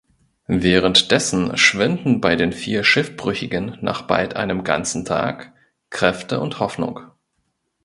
Währenddessen schwinden bei den vier Schiffbrüchigen nach bald einem ganzen Tag Kräfte und Hoffnung.